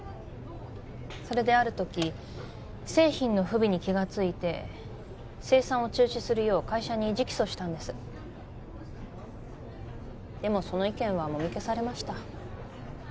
それである時製品の不備に気がついて生産を中止するよう会社に直訴したんですでもその意見はもみ消されました